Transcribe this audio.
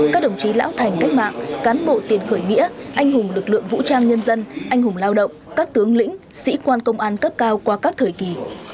các đồng chí lão thành cách mạng cán bộ tiền khởi nghĩa anh hùng lực lượng vũ trang nhân dân anh hùng lao động các tướng lĩnh sĩ quan công an cấp cao qua các thời kỳ